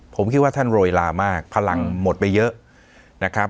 ผมคิดว่าท่านโรยลามากพลังหมดไปเยอะนะครับ